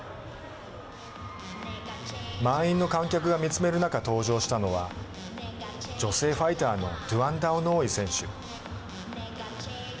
満員の観客が見つめる中登場したのは女性ファイターのドゥアンダオノーイ選手。